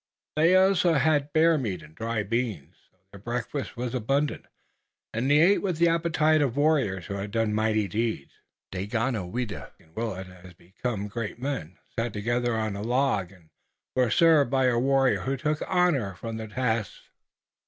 They also had bear meat and dried beans. So their breakfast was abundant, and they ate with the appetite of warriors who had done mighty deeds. Daganoweda and Willet, as became great men, sat together on a log and were served by a warrior who took honor from the task.